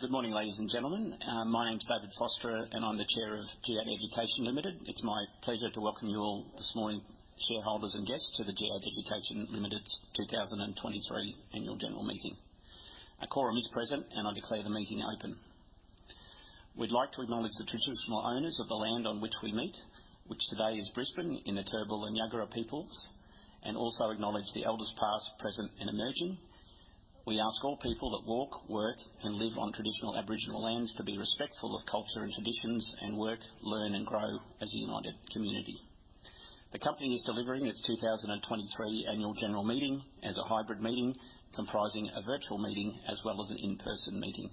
Good morning, ladies and gentlemen. My name is David Foster, I'm the Chair of G8 Education Limited. It's my pleasure to welcome you all this morning, shareholders and guests, to the G8 Education Limited's 2023 Annual General Meeting. A quorum is present, I declare the meeting open. We'd like to acknowledge the traditional owners of the land on which we meet, which today is Brisbane in the Turrbal and Jagera peoples, also acknowledge the elders past, present, and emerging. We ask all people that walk, work, and live on traditional Aboriginal lands to be respectful of culture and traditions and work, learn, and grow as a united community. The company is delivering its 2023 Annual General Meeting as a hybrid meeting comprising a virtual meeting as well as an in-person meeting.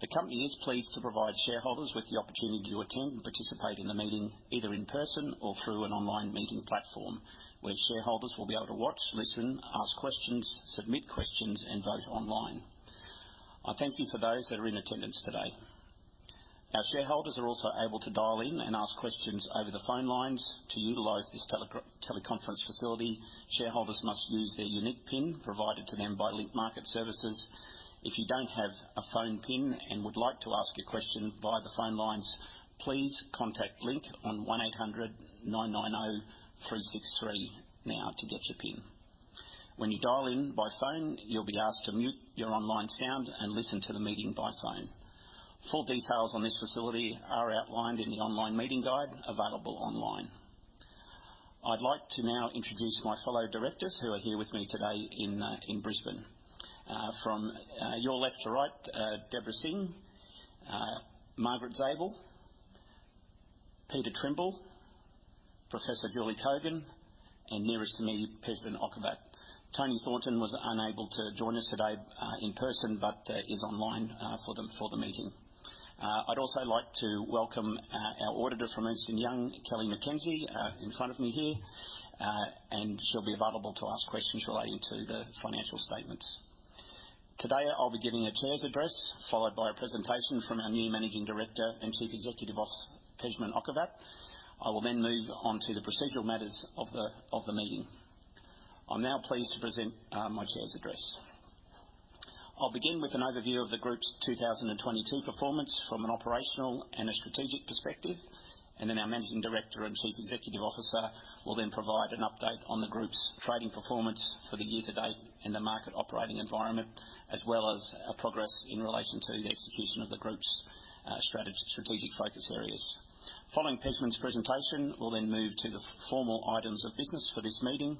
The company is pleased to provide shareholders with the opportunity to attend and participate in the meeting, either in person or through an online meeting platform, where shareholders will be able to watch, listen, ask questions, submit questions, and vote online. I thank you for those that are in attendance today. Our shareholders are also able to dial in and ask questions over the phone lines. To utilize this teleconference facility, shareholders must use their unique PIN provided to them by Link Market Services. If you don't have a phone PIN and would like to ask a question via the phone lines, please contact Link on 1-800-990-363 now to get your PIN. When you dial in by phone, you'll be asked to mute your online sound and listen to the meeting by phone. Full details on this facility are outlined in the online meeting guide available online. I'd like to now introduce my fellow directors who are here with me today in Brisbane. From your left to right, Debra Singh, Margaret Zabel, Peter Trimble, Professor Julie Cogin, and nearest to me, Pejman Okhovat. Toni Thornton was unable to join us today in person but is online for the meeting. I'd also like to welcome our auditor from Ernst & Young, Kelly McKenzie, in front of me here. She'll be available to ask questions relating to the financial statements. Today, I'll be giving a Chair's address, followed by a presentation from our new Managing Director and Chief Executive Officer, Pejman Okhovat. I will then move on to the procedural matters of the meeting. I'm now pleased to present my Chair's address. I'll begin with an overview of the Group's 2022 performance from an operational and a strategic perspective, and then our Managing Director and Chief Executive Officer will then provide an update on the Group's trading performance for the year-to-date and the market operating environment, as well as our progress in relation to the execution of the Group's strategic focus areas. Following Pejman's presentation, we'll then move to the formal items of business for this meeting.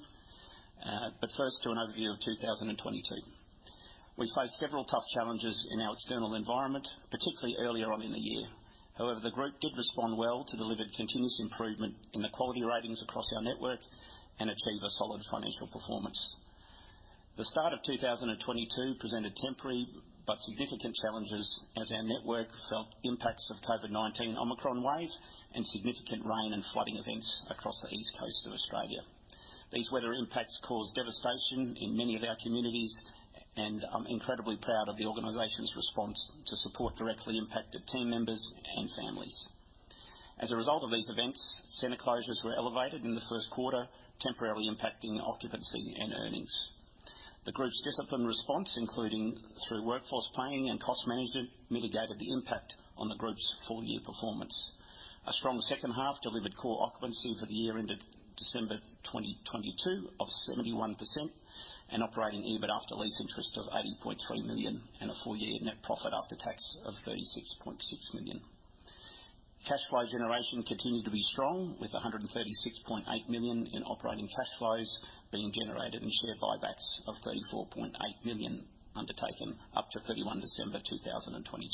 First, to an overview of 2022. We faced several tough challenges in our external environment, particularly earlier on in the year. The Group did respond well to deliver continuous improvement in the quality ratings across our network and achieve a solid financial performance. The start of 2022 presented temporary but significant challenges as our network felt impacts of COVID-19 Omicron wave and significant rain and flooding events across the east coast of Australia. These weather impacts caused devastation in many of our communities. I'm incredibly proud of the organization's response to support directly impacted team members and families. As a result of these events, center closures were elevated in the first quarter, temporarily impacting occupancy and earnings. The Group's disciplined response, including through workforce planning and cost management, mitigated the impact on the Group's full-year performance. A strong second half delivered core occupancy for the year ended December 2022 of 71% and operating EBIT after lease interest of 80.3 million and a full-year NPAT of 36.6 million. Cash flow generation continued to be strong, with 136.8 million in operating cash flows being generated and share buybacks of 34.8 million undertaken up to 31 December 2022.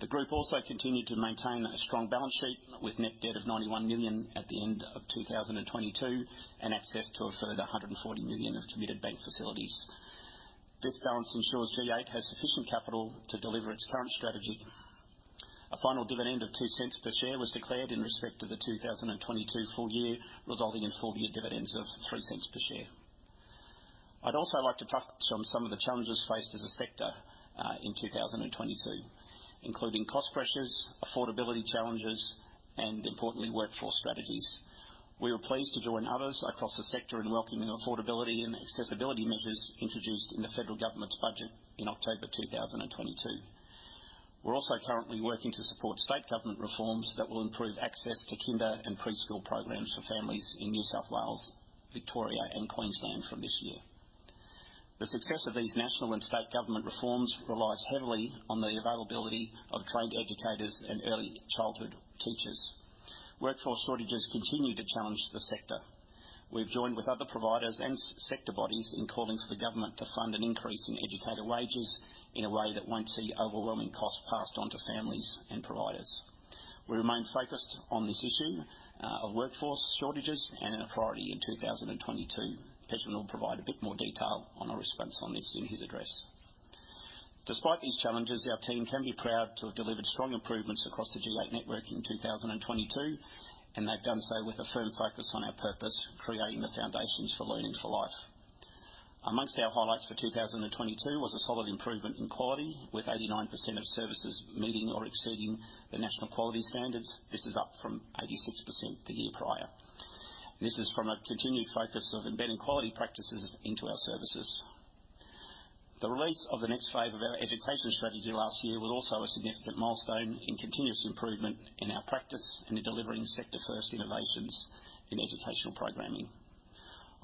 The Group also continued to maintain a strong balance sheet, with net debt of 91 million at the end of 2022 and access to a further 140 million of committed bank facilities. This balance ensures G8 has sufficient capital to deliver its current strategy. A final dividend of 0.02 per share was declared in respect of the 2022 full year, resulting in full-year dividends of 0.03 per share. I'd also like to touch on some of the challenges faced as a sector in 2022, including cost pressures, affordability challenges, and importantly, workforce strategies. We were pleased to join others across the sector in welcoming the affordability and accessibility measures introduced in the federal government's budget in October 2022. We're also currently working to support state government reforms that will improve access to kinder and preschool programs for families in New South Wales, Victoria, and Queensland from this year. The success of these national and state government reforms relies heavily on the availability of trained educators and early childhood teachers. Workforce shortages continue to challenge the sector. We've joined with other providers and sector bodies in calling for the government to fund an increase in educator wages in a way that won't see overwhelming costs passed on to families and providers. We remain focused on this issue of workforce shortages and a priority in 2022. Pejman will provide a bit more detail on our response on this in his address. Despite these challenges, our team can be proud to have delivered strong improvements across the G8 network in 2022, and they've done so with a firm focus on our purpose, creating the foundations for learning for life. Among our highlights for 2022 was a solid improvement in quality, with 89% of services meeting or exceeding the National Quality Standard. This is up from 86% the year prior. This is from a continued focus of embedding quality practices into our services. The release of the next phase of our education strategy last year was also a significant milestone in continuous improvement in our practice and in delivering sector-first innovations in educational programming.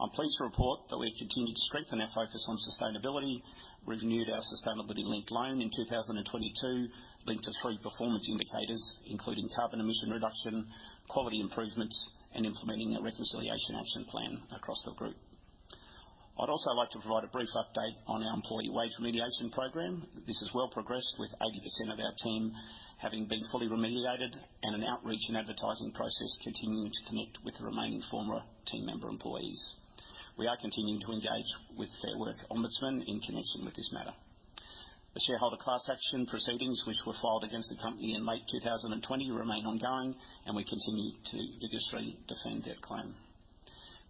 I'm pleased to report that we have continued to strengthen our focus on sustainability. We've renewed our sustainability-linked loan in 2022, linked to three performance indicators, including carbon emission reduction, quality improvements, and implementing a Reconciliation Action Plan across the group. I'd also like to provide a brief update on our Employee Wage Remediation Program. This has well progressed, with 80% of our team having been fully remediated and an outreach and advertising process continuing to connect with the remaining former team member employees. We are continuing to engage with Fair Work Ombudsman in connection with this matter. The shareholder class action proceedings, which were filed against the company in late 2020, remain ongoing, we continue to vigorously defend that claim.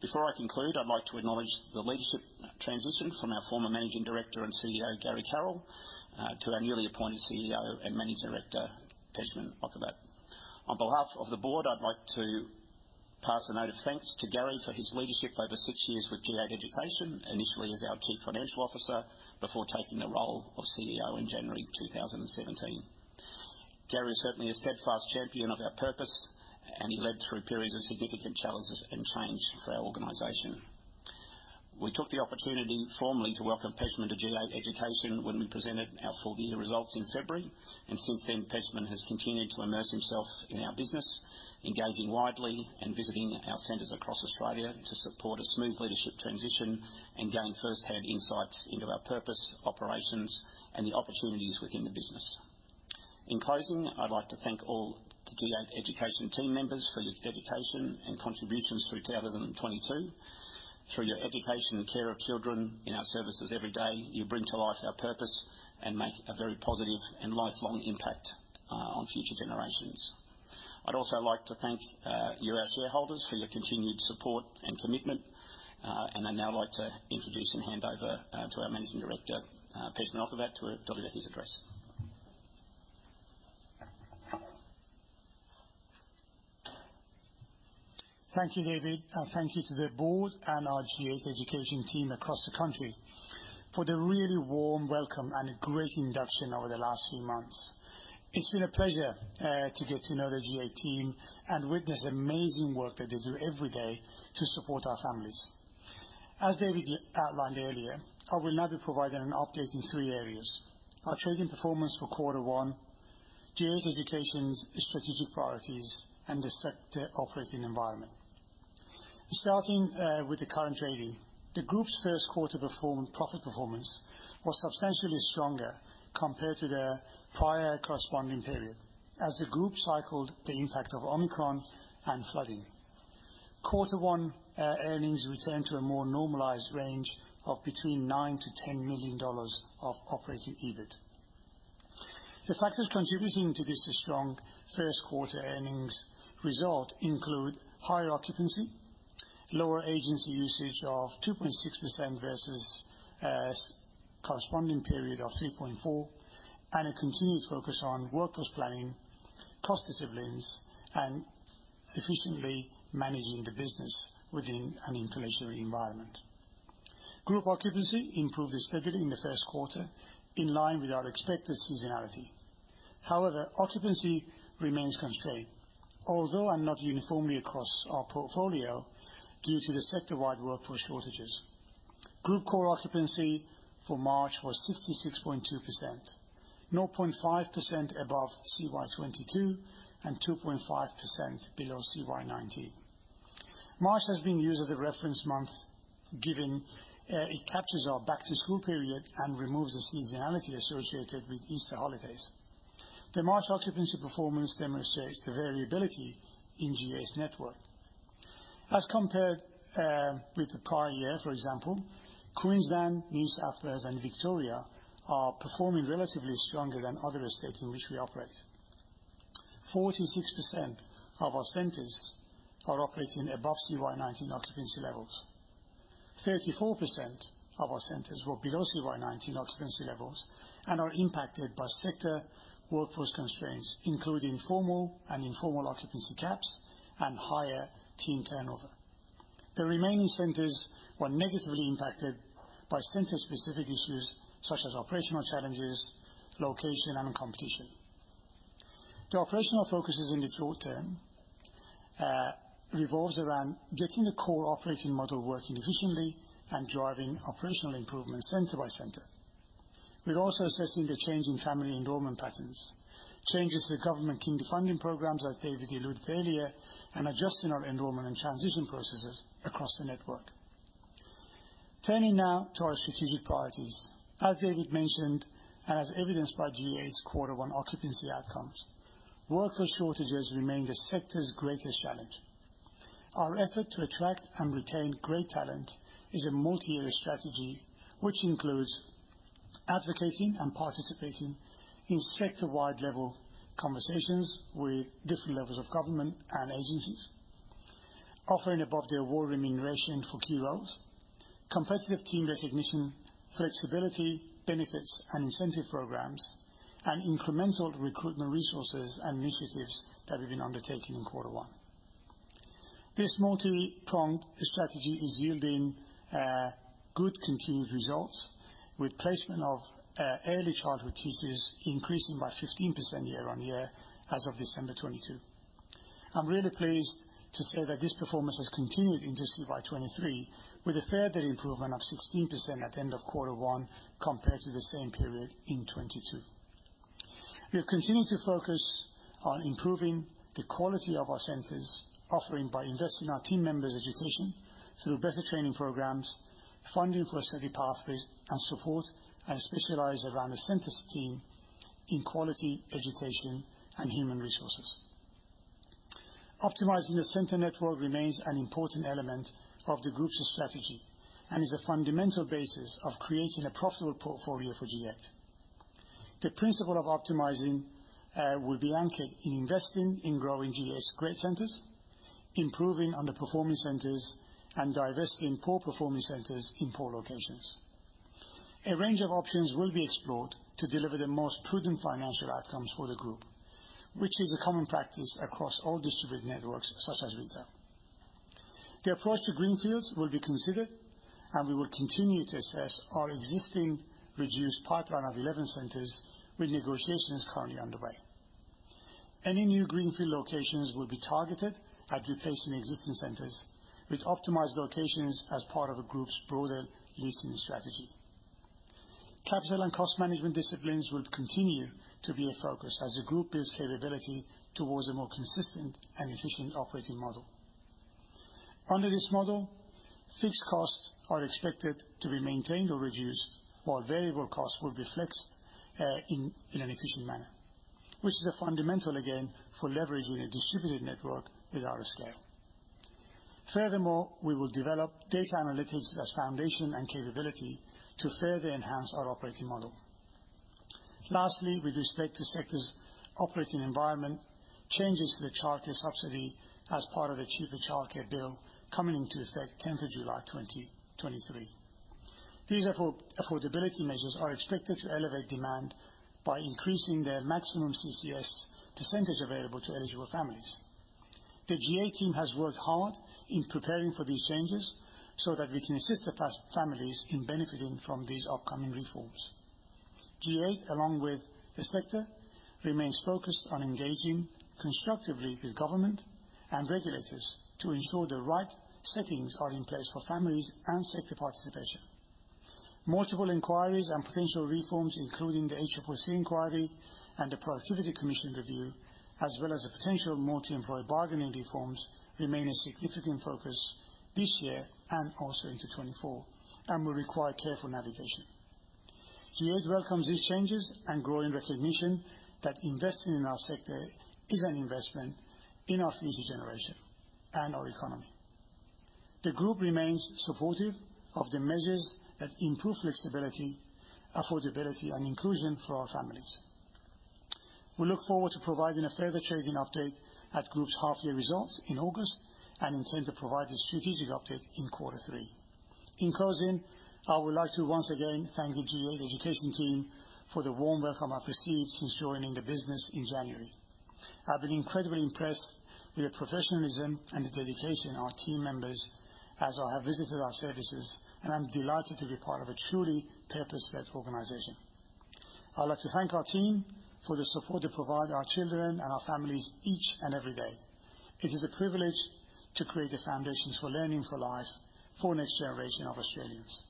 Before I conclude, I'd like to acknowledge the leadership transition from our former Managing Director and CEO, Gary Carroll, to our newly appointed CEO and Managing Director, Pejman Okhovat. On behalf of the board, I'd like to pass a note of thanks to Gary for his leadership over six years with G8 Education, initially as our chief financial officer before taking the role of CEO in January 2017. Gary was certainly a steadfast champion of our purpose, and he led through periods of significant challenges and change for our organization. We took the opportunity formally to welcome Pejman to G8 Education when we presented our full-year results in February. Since then, Pejman has continued to immerse himself in our business, engaging widely and visiting our centers across Australia to support a smooth leadership transition and gain first-hand insights into our purpose, operations, and the opportunities within the business. In closing, I'd like to thank all G8 Education team members for your dedication and contributions through 2022. Through your education and care of children in our services every day, you bring to life our purpose and make a very positive and lifelong impact on future generations. I'd also like to thank you, our shareholders, for your continued support and commitment. I'd now like to introduce and hand over to our Managing Director, Pejman Okhovat, to deliver his address. Thank you, David, and thank you to the Board and our G8 Education team across the country for the really warm welcome and a great induction over the last few months. It's been a pleasure to get to know the G8 team and witness the amazing work that they do every day to support our families. As David outlined earlier, I will now be providing an update in three areas: our trading performance for quarter one, G8 Education's strategic priorities, and the sector operating environment. Starting with the current trading. The group's first quarter profit performance was substantially stronger compared to the prior corresponding period as the group cycled the impact of Omicron and flooding. Quarter one earnings returned to a more normalized range of between 9 million-10 million dollars of operating EBIT. The factors contributing to this strong first quarter earnings result include higher occupancy, lower agency usage of 2.6% versus a corresponding period of 3.4%, and a continued focus on workforce planning, cost disciplines, and efficiently managing the business within an inflationary environment. Group occupancy improved as scheduled in the first quarter, in line with our expected seasonality. Occupancy remains constrained, although and not uniformly across our portfolio, due to the sector-wide workforce shortages. Group core occupancy for March was 66.2%, 0.5% above CY 2022, and 2.5% below CY 2019. March has been used as a reference month, given it captures our back-to-school period and removes the seasonality associated with Easter holidays. The March occupancy performance demonstrates the variability in G8's network. As compared with the prior year, for example, Queensland, New South Wales, and Victoria are performing relatively stronger than other states in which we operate. 46% of our centers are operating above CY 2019 occupancy levels. 34% of our centers were below CY 2019 occupancy levels and are impacted by sector workforce constraints, including formal and informal occupancy caps and higher team turnover. The remaining centers were negatively impacted by center-specific issues such as operational challenges, location, and competition. The operational focuses in the short term revolves around getting the core operating model working efficiently and driving operational improvement center by center. We're also assessing the change in family enrollment patterns, changes to government kinder funding programs, as David alluded earlier, and adjusting our enrollment and transition processes across the network. Turning now to our strategic priorities. As David mentioned, and as evidenced by G8's quarter one occupancy outcomes, worker shortages remain the sector's greatest challenge. Our effort to attract and retain great talent is a multi-year strategy, which includes advocating and participating in sector-wide level conversations with different levels of government and agencies, offering above-the-award remuneration for key roles, competitive team recognition, flexibility, benefits, and incentive programs, and incremental recruitment resources and initiatives that we've been undertaking in quarter one. This multi-pronged strategy is yielding good continued results with placement of early childhood teachers increasing by 15% year-on-year as of December 2022. I'm really pleased to say that this performance has continued into CY 2023 with a further improvement of 16% at the end of quarter one compared to the same period in 2022. We are continuing to focus on improving the quality of our centers offering by investing our team members' education through better training programs, funding for study pathways, and support, and specialize around the centers team in quality education and human resources. Optimizing the center network remains an important element of the group's strategy and is a fundamental basis of creating a profitable portfolio for G8. The principle of optimizing will be anchored in investing in growing G8's great centers, improving underperforming centers, and divesting poor performing centers in poor locations. A range of options will be explored to deliver the most prudent financial outcomes for the group, which is a common practice across all distributed networks such as G8. The approach to greenfields will be considered, and we will continue to assess our existing reduced pipeline of 11 centers with negotiations currently underway. Any new greenfield locations will be targeted at replacing existing centers with optimized locations as part of a group's broader leasing strategy. Capital and cost management disciplines will continue to be a focus as the group builds capability towards a more consistent and efficient operating model. Under this model, fixed costs are expected to be maintained or reduced while variable costs will be flexed in an efficient manner, which is a fundamental again for leveraging a distributed network with our scale. We will develop data analytics as foundation and capability to further enhance our operating model. With respect to sector's operating environment, changes to the Child Care Subsidy as part of the Cheaper Child Care Bill coming into effect 10th of July 2023. These affordability measures are expected to elevate demand by increasing their maximum CCS % available to eligible families. The G8 team has worked hard in preparing for these changes so that we can assist the families in benefiting from these upcoming reforms. G8, along with the sector, remains focused on engaging constructively with government and regulators to ensure the right settings are in place for families and sector participation. Multiple inquiries and potential reforms, including the ACCC inquiry and the Productivity Commission review, as well as the potential multi-employer bargaining reforms, remain a significant focus this year and also into 2024 and will require careful navigation. G8 welcomes these changes and growing recognition that investing in our sector is an investment in our future generation and our economy. The group remains supportive of the measures that improve flexibility, affordability, and inclusion for our families. We look forward to providing a further trading update at group's half-year results in August and intend to provide a strategic update in quarter three. In closing, I would like to once again thank the G8 Education team for the warm welcome I've received since joining the business in January. I've been incredibly impressed with the professionalism and the dedication of our team members as I have visited our services, and I'm delighted to be part of a truly purpose-led organization. I would like to thank our team for the support they provide our children and our families each and every day. It is a privilege to create the foundations for learning for life for the next generation of Australians.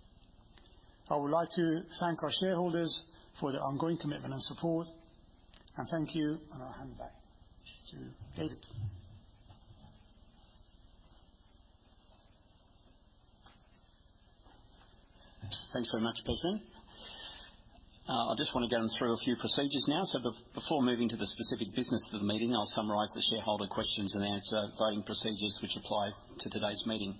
I would like to thank our shareholders for their ongoing commitment and support. Thank you, and I'll hand back to David. Thanks very much, Pejman. I just wanna go through a few procedures now. Before moving to the specific business of the meeting, I'll summarize the shareholder questions and answer voting procedures which apply to today's meeting.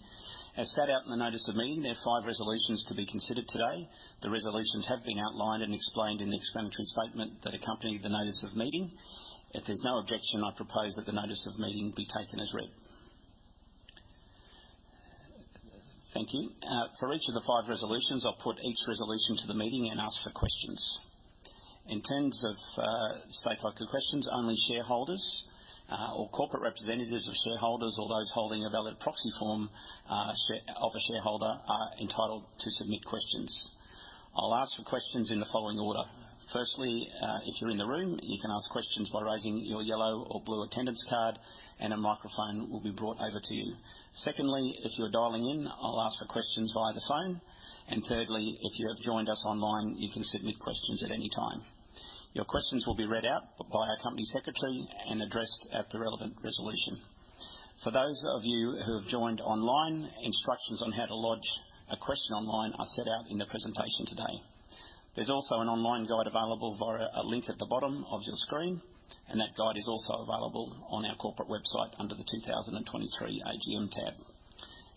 As set out in the notice of meeting, there are five resolutions to be considered today. The resolutions have been outlined and explained in the explanatory statement that accompanied the notice of meeting. If there's no objection, I propose that the notice of meeting be taken as read. Thank you. For each of the five resolutions, I'll put each resolution to the meeting and ask for questions. In terms of stakeholder questions, only shareholders, or corporate representatives of shareholders or those holding a valid proxy form, of a shareholder are entitled to submit questions. I'll ask for questions in the following order. Firstly, if you're in the room, you can ask questions by raising your yellow or blue attendance card and a microphone will be brought over to you. Secondly, if you are dialing in, I'll ask for questions via the phone. Thirdly, if you have joined us online, you can submit questions at any time. Your questions will be read out by our company secretary and addressed at the relevant resolution. For those of you who have joined online, instructions on how to lodge a question online are set out in the presentation today. There's also an online guide available via a link at the bottom of your screen. That guide is also available on our corporate website under the 2023 AGM tab.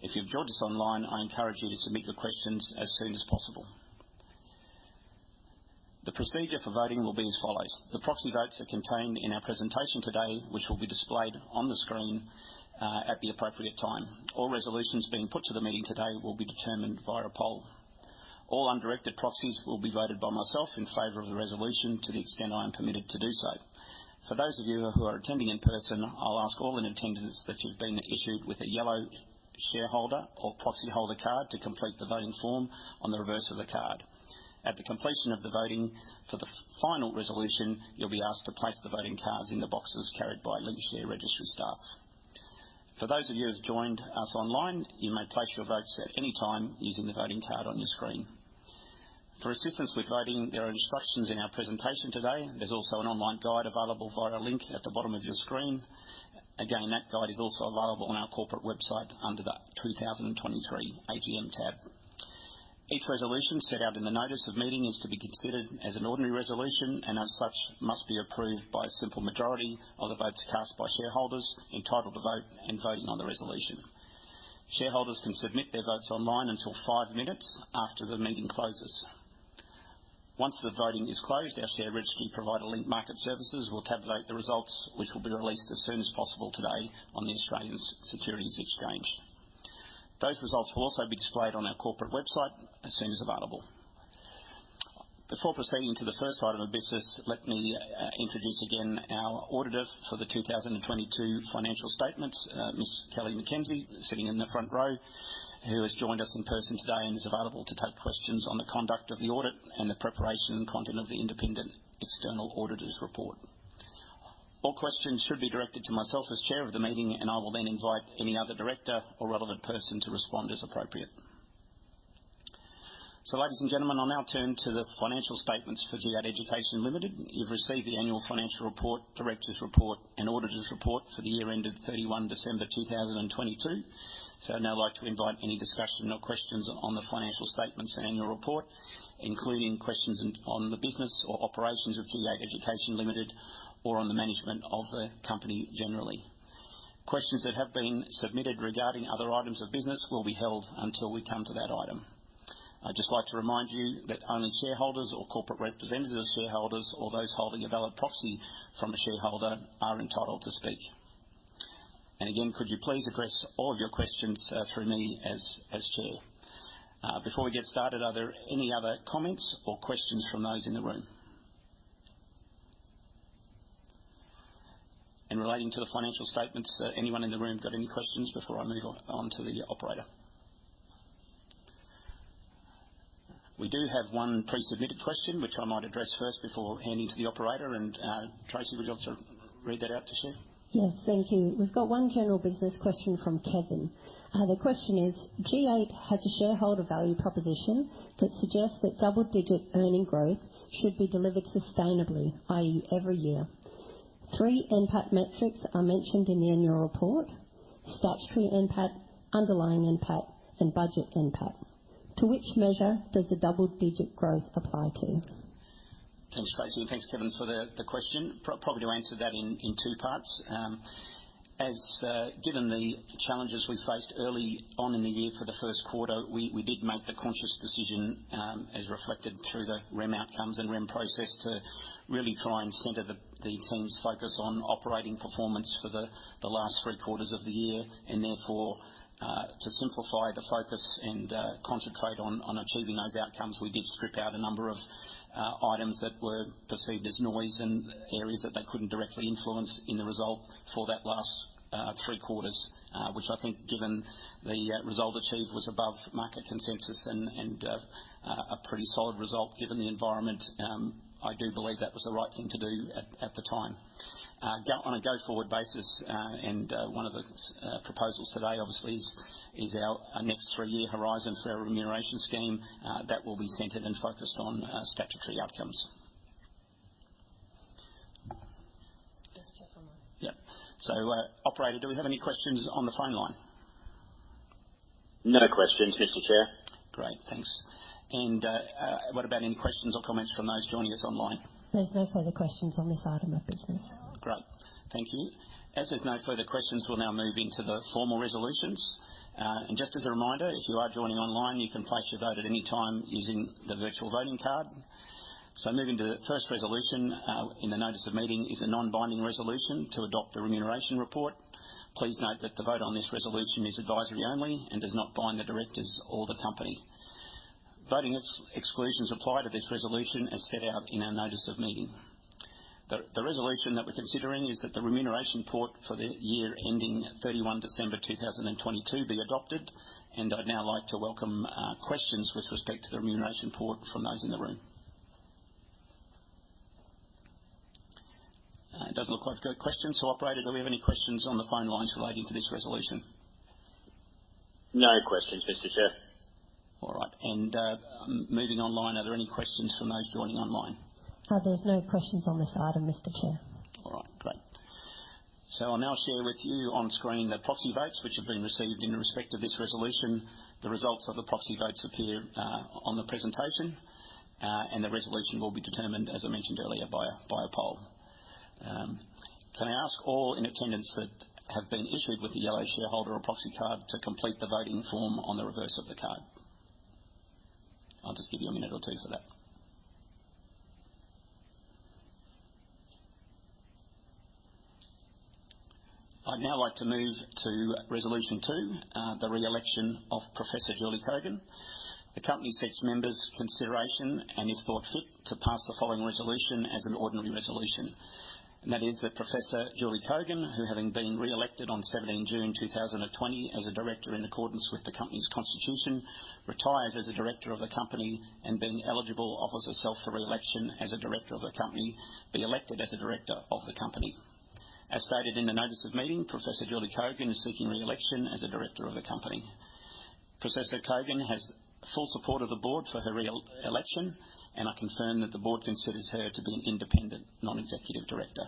If you've joined us online, I encourage you to submit your questions as soon as possible. The procedure for voting will be as follows: The proxy votes are contained in our presentation today, which will be displayed on the screen, at the appropriate time. All resolutions being put to the meeting today will be determined via a poll. All undirected proxies will be voted by myself in favor of the resolution to the extent I am permitted to do so. For those of you who are attending in person, I'll ask all in attendance that you've been issued with a yellow shareholder or proxy holder card to complete the voting form on the reverse of the card. At the completion of the voting for the final resolution, you'll be asked to place the voting cards in the boxes carried by Link registry staff. For those of you who've joined us online, you may place your votes at any time using the voting card on your screen. For assistance with voting, there are instructions in our presentation today. There's also an online guide available via a link at the bottom of your screen. Again, that guide is also available on our corporate website under the 2023 AGM tab. Each resolution set out in the notice of meeting is to be considered as an ordinary resolution and as such, must be approved by a simple majority of the votes cast by shareholders entitled to vote and voting on the resolution. Shareholders can submit their votes online until five minutes after the meeting closes. Once the voting is closed, our share registry provider, Link Market Services, will tabulate the results, which will be released as soon as possible today on the Australian Securities Exchange. Those results will also be displayed on our corporate website as soon as available. Before proceeding to the first item of business, let me introduce again our auditor for the 2022 financial statements, Ms. Kelly McKenzie, sitting in the front row, who has joined us in person today and is available to take questions on the conduct of the audit and the preparation and content of the independent external auditor's report. All questions should be directed to myself as Chair of the meeting, I will then invite any other director or relevant person to respond as appropriate. Ladies and gentlemen, I'll now turn to the financial statements for G8 Education Limited. You've received the annual financial report, directors report, and auditors report for the year ended 31 December 2022. I'd now like to invite any discussion or questions on the financial statements annual report, including questions on the business or operations of G8 Education Limited or on the management of the company generally. Questions that have been submitted regarding other items of business will be held until we come to that item. I'd just like to remind you that owner shareholders or corporate representatives of shareholders or those holding a valid proxy from the shareholder are entitled to speak. Again, could you please address all of your questions through me as Chair. Before we get started, are there any other comments or questions from those in the room? Relating to the financial statements, anyone in the room got any questions before I move on to the operator? We do have one pre-submitted question, which I might address first before handing to the operator. Tracy, would you like to read that out to share? Yes. Thank you. We've got one general business question from Kevin. The question is, G8 has a shareholder value proposition that suggests that double-digit earning growth should be delivered sustainably, i.e., every year. Three NPAT metrics are mentioned in the annual report, statutory NPAT, underlying NPAT, and budget NPAT. To which measure does the double-digit growth apply to? Thanks, Tracy. Thanks Kevin for the question. Probably to answer that in two parts. As given the challenges we faced early on in the year for the first quarter, we did make the conscious decision, as reflected through the REM outcomes and REM process, to really try and center the team's focus on operating performance for the last three quarters of the year and therefore to simplify the focus and concentrate on achieving those outcomes, we did strip out a number of items that were perceived as noise and areas that they couldn't directly influence in the result for that last three quarters, which I think given the result achieved was above market consensus and a pretty solid result given the environment, I do believe that was the right thing to do at the time. On a go forward basis, one of the proposals today obviously is our next three-year horizon for our remuneration scheme, that will be centered and focused on statutory outcomes. Just check online. Yeah. Operator, do we have any questions on the phone line? No questions, Mr. Chair. Great, thanks. What about any questions or comments from those joining us online? There's no further questions on this item of business. Great, thank you. As there's no further questions, we'll now move into the formal resolutions. Just as a reminder, if you are joining online, you can place your vote at any time using the virtual voting card. Moving to the first resolution in the notice of meeting is a non-binding resolution to adopt a remuneration report. Please note that the vote on this resolution is advisory only and does not bind the directors or the company. Voting ex-exclusions apply to this resolution as set out in our notice of meeting. The resolution that we're considering is that the remuneration report for the year ending 31 December 2022 be adopted. I'd now like to welcome questions with respect to the remuneration report from those in the room. It doesn't look like we got questions. Operator, do we have any questions on the phone lines relating to this resolution? No questions, Mr. Chair. All right. Moving online, are there any questions from those joining online? There's no questions on this item, Mr. Chair. All right, great. I'll now share with you on screen the proxy votes which have been received in respect of this resolution. The results of the proxy votes appear on the presentation, and the resolution will be determined, as I mentioned earlier, by a poll. Can I ask all in attendance that have been issued with the yellow shareholder or proxy card to complete the voting form on the reverse of the card? I'll just give you a minute or two for that. I'd now like to move to Resolution 2, the re-election of Professor Julie Cogin. The company seeks members' consideration and if thought fit, to pass the following resolution as an ordinary resolution. That is that Professor Julie Cogin, who, having been re-elected on 17 June 2020 as a director in accordance with the company's constitution, retires as a director of the company and being eligible offers herself for re-election as a director of the company, be elected as a director of the company. As stated in the notice of meeting, Professor Julie Cogin is seeking re-election as a director of the company. Professor Cogin has full support of the Board for her re-election, and I confirm that the Board considers her to be an independent non-executive director.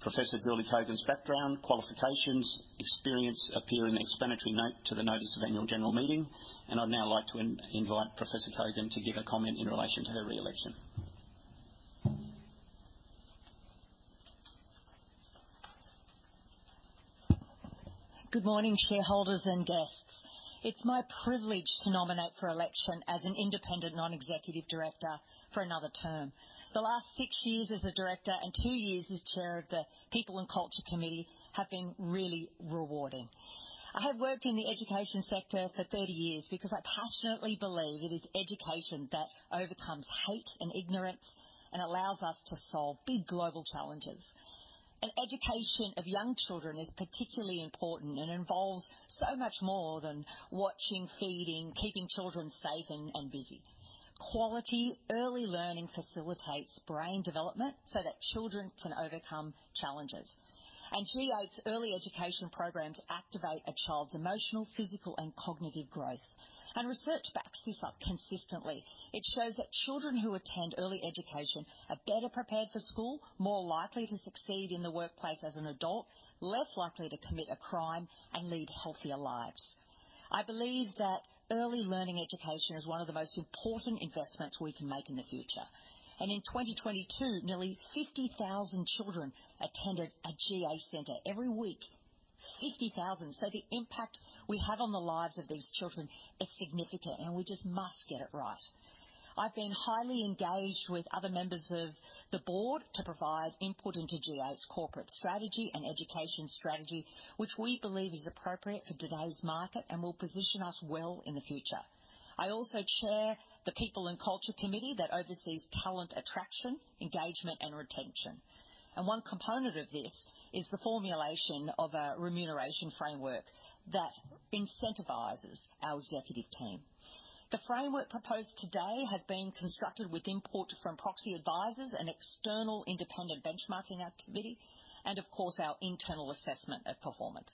Professor Julie Cogin's background, qualifications, experience appear in the explanatory note to the notice of annual general meeting, and I'd now like to invite Professor Cogin to give a comment in relation to her re-election. Good morning, shareholders and guests. It's my privilege to nominate for election as an independent non-executive director for another term. The last six years as a director and two years as Chair of the People and Culture Committee have been really rewarding. I have worked in the education sector for 30 years because I passionately believe it is education that overcomes hate and ignorance and allows us to solve big global challenges. Education of young children is particularly important and involves so much more than watching, feeding, keeping children safe and busy. Quality early learning facilitates brain development so that children can overcome challenges. G8's early education programs activate a child's emotional, physical, and cognitive growth. Research backs this up consistently. It shows that children who attend early education are better prepared for school, more likely to succeed in the workplace as an adult, less likely to commit a crime, and lead healthier lives. I believe that early learning education is one of the most important investments we can make in the future. In 2022, nearly 50,000 children attended a G8 center every week. 50,000. The impact we have on the lives of these children is significant, and we just must get it right. I've been highly engaged with other members of the board to provide input into G8's corporate strategy and education strategy, which we believe is appropriate for today's market and will position us well in the future. I also chair the People and Culture Committee that oversees talent, attraction, engagement, and retention. One component of this is the formulation of a remuneration framework that incentivizes our executive team. The framework proposed today has been constructed with input from proxy advisors and external independent benchmarking activity, and of course, our internal assessment of performance.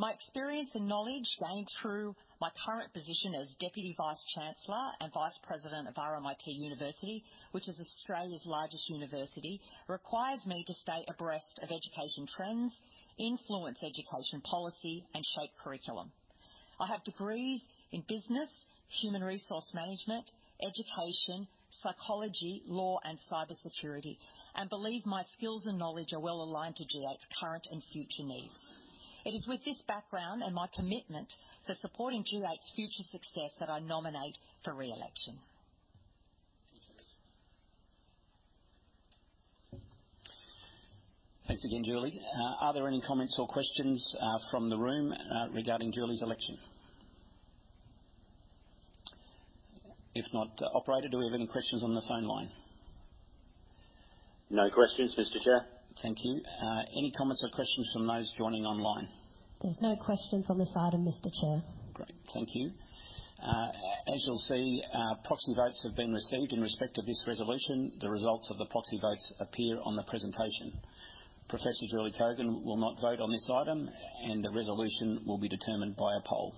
My experience and knowledge gained through my current position as Deputy Vice Chancellor and Vice President of RMIT University, which is Australia's largest university, requires me to stay abreast of education trends, influence education policy, and shape curriculum. I have degrees in business, human resource management, education, psychology, law, and cybersecurity, and believe my skills and knowledge are well aligned to G8's current and future needs. It is with this background and my commitment to supporting G8's future success that I nominate for re-election. Thanks again, Julie. Are there any comments or questions from the room regarding Julie's election? If not, operator, do we have any questions on the phone line? No questions, Mr. Chair. Thank you. Any comments or questions from those joining online? There's no questions on this item, Mr. Chair. Great. Thank you. As you'll see, proxy votes have been received in respect of this resolution. The results of the proxy votes appear on the presentation. Professor Julie Cogin will not vote on this item, and the resolution will be determined by a poll.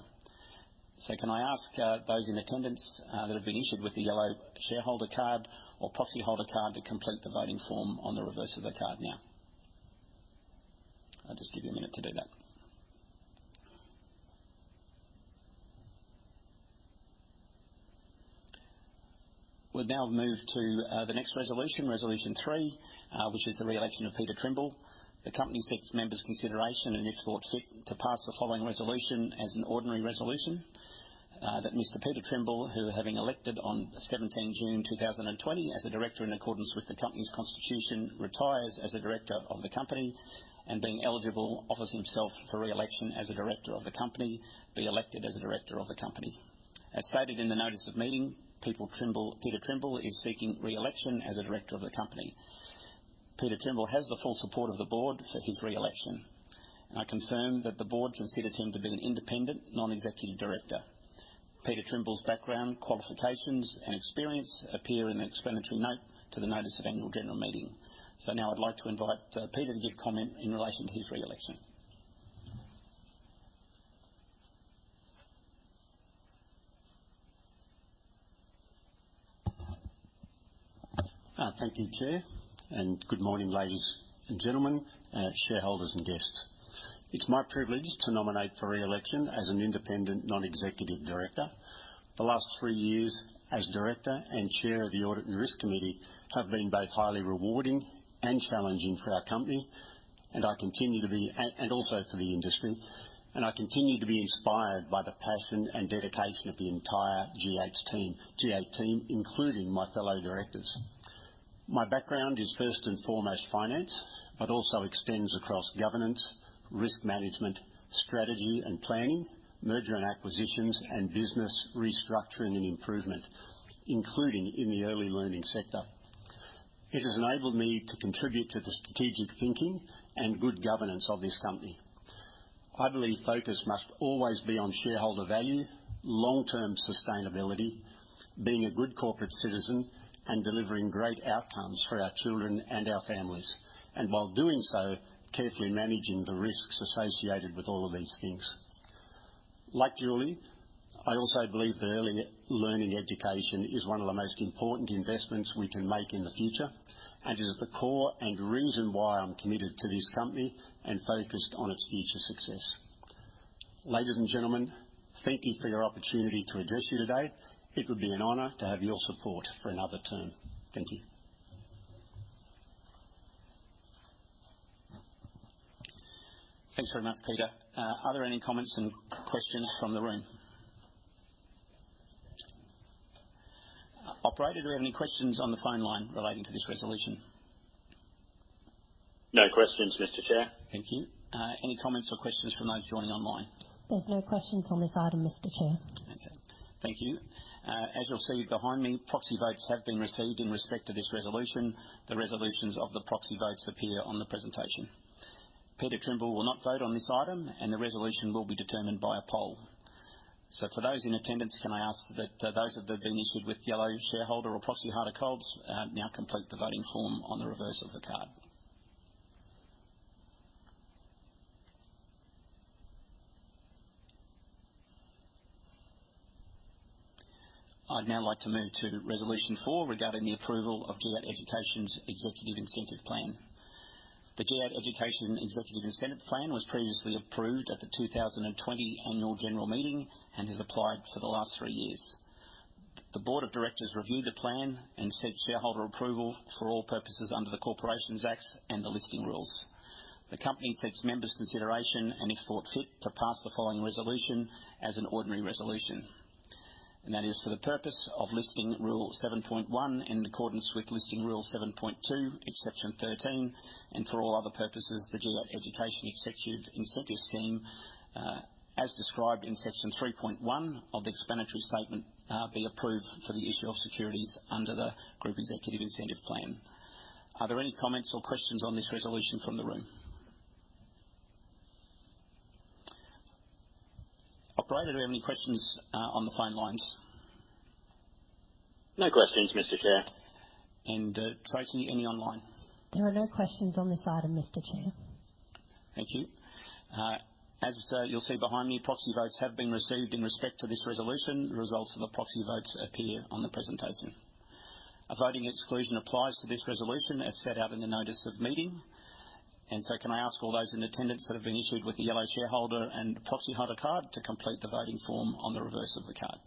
Can I ask those in attendance that have been issued with the yellow shareholder card or proxy holder card to complete the voting form on the reverse of the card now. I'll just give you a minute to do that. We'll now move to the next resolution, Resolution 3, which is the re-election of Peter Trimble. The company seeks members' consideration and if thought fit, to pass the following resolution as an ordinary resolution that Mr. Peter Trimble, who, having elected on 17 June 2020 as a director in accordance with the company's constitution, retires as a director of the company, and being eligible, offers himself for re-election as a director of the company, be elected as a director of the company. As stated in the notice of meeting, Peter Trimble is seeking re-election as a director of the company. Peter Trimble has the full support of the Board for his re-election. I confirm that the Board considers him to be an independent non-executive director. Peter Trimble's background, qualifications, and experience appear in an explanatory note to the notice of Annual General Meeting. Now I'd like to invite Peter to give comment in relation to his re-election. Thank you, Chair, good morning, ladies and gentlemen, shareholders and guests. It's my privilege to nominate for re-election as an independent non-executive director. The last three years as director and Chair of the Audit and Risk Committee have been both highly rewarding and challenging for our company, also for the industry, I continue to be inspired by the passion and dedication of the entire G8 team, including my fellow directors. My background is first and foremost finance, also extends across governance, risk management, strategy and planning, merger and acquisitions, and business restructuring and improvement, including in the early learning sector. It has enabled me to contribute to the strategic thinking and good governance of this company. I believe focus must always be on shareholder value, long-term sustainability, being a good corporate citizen, and delivering great outcomes for our children and our families, while doing so, carefully managing the risks associated with all of these things. Like Julie, I also believe that early learning education is one of the most important investments we can make in the future and is at the core and reason why I'm committed to this company and focused on its future success. Ladies and gentlemen, thank you for your opportunity to address you today. It would be an honor to have your support for another term. Thank you. Thanks very much, Peter. Are there any comments and questions from the room? Operator, do we have any questions on the phone line relating to this resolution? No questions, Mr. Chair. Thank you. Any comments or questions from those joining online? There's no questions on this item, Mr. Chair. Okay. Thank you. As you'll see behind me, proxy votes have been received in respect to this resolution. The resolutions of the proxy votes appear on the presentation. Peter Trimble will not vote on this item, and the resolution will be determined by a poll. For those in attendance, can I ask that those that have been issued with yellow shareholder or proxy holder cards now complete the voting form on the reverse of the card. I'd now like to move to Resolution 4 regarding the approval of G8 Education's Executive Incentive Plan. The G8 Education Executive Incentive Plan was previously approved at the 2020 Annual General Meeting and has applied for the last three years. The board of directors reviewed the plan and set shareholder approval for all purposes under the Corporations Act and the Listing Rules. The company sets members' consideration and, if thought fit, to pass the following resolution as an ordinary resolution. That is for the purpose of Listing Rule 7.1, in accordance with Listing Rule 7.2, Exception 13, and for all other purposes, the G8 Education Executive Incentive Plan, as described in Section 3.1 of the explanatory statement, be approved for the issue of securities under the G8 Executive Incentive Plan. Are there any comments or questions on this resolution from the room? Operator, do we have any questions on the phone lines? No questions, Mr. Chair. Tracy, any online? There are no questions on this item, Mr. Chair. Thank you. As you'll see behind me, proxy votes have been received in respect to this resolution. The results of the proxy votes appear on the presentation. A voting exclusion applies to this resolution as set out in the notice of meeting. Can I ask all those in attendance that have been issued with the yellow shareholder and proxy holder card to complete the voting form on the reverse of the card.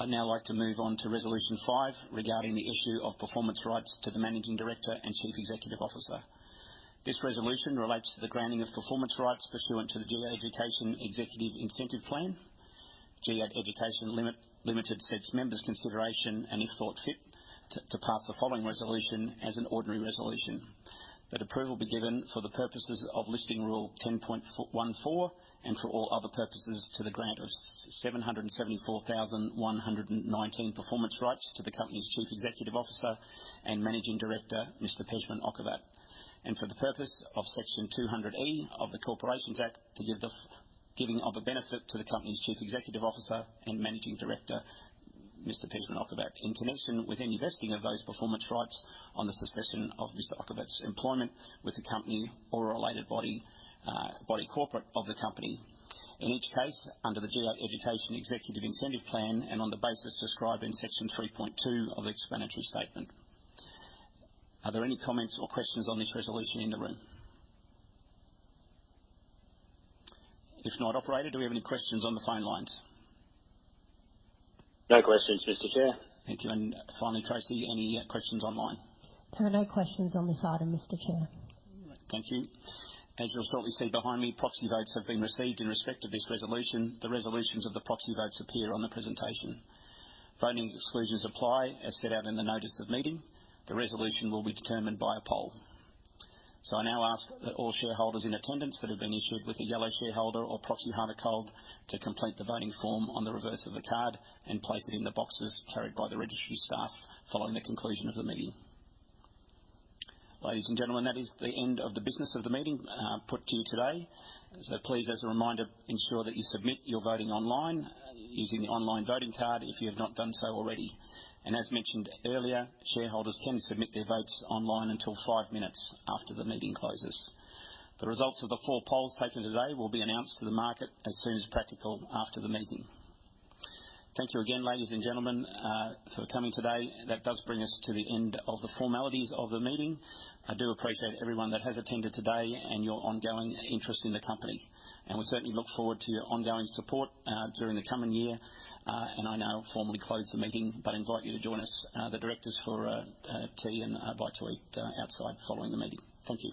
I'd now like to move on to Resolution 5 regarding the issue of performance rights to the Managing Director and Chief Executive Officer. This resolution relates to the granting of performance rights pursuant to the G8 Education Executive Incentive Plan. G8 Education Limited sets members' consideration and, if thought fit, to pass the following resolution as an ordinary resolution. That approval be given for the purposes of Listing Rule 10.14 and for all other purposes to the grant of 774,119 performance rights to the company's Chief Executive Officer and Managing Director, Mr. Pejman Okhovat. For the purpose of Section 200E of the Corporations Act to give the giving of a benefit to the company's Chief Executive Officer and Managing Director, Mr. Pejman Okhovat, in connection with any vesting of those performance rights on the succession of Mr. Okhovat's employment with the company or a related body corporate of the company. In each case, under the G8 Education Executive Incentive Plan and on the basis described in Section 3.2 of the explanatory statement. Are there any comments or questions on this resolution in the room? If not, operator, do we have any questions on the phone lines? No questions, Mr. Chair. Thank you. Finally, Tracy, any questions online? There are no questions on this item, Mr. Chair. Thank you. As you'll currently see behind me, proxy votes have been received in respect of this resolution. The resolutions of the proxy votes appear on the presentation. Voting exclusions apply as set out in the notice of meeting. The resolution will be determined by a poll. I now ask all shareholders in attendance that have been issued with a yellow shareholder or proxy holder card to complete the voting form on the reverse of the card and place it in the boxes carried by the registry staff following the conclusion of the meeting. Ladies and gentlemen, that is the end of the business of the meeting put to you today. Please, as a reminder, ensure that you submit your voting online using the online voting card if you have not done so already. As mentioned earlier, shareholders can submit their votes online until five minutes after the meeting closes. The results of the 4 polls taken today will be announced to the market as soon as practical after the meeting. Thank you again, ladies and gentlemen, for coming today. That does bring us to the end of the formalities of the meeting. I do appreciate everyone that has attended today and your ongoing interest in the company. We certainly look forward to your ongoing support during the coming year. I now formally close the meeting, but invite you to join us, the directors for tea and a bite to eat outside following the meeting. Thank you.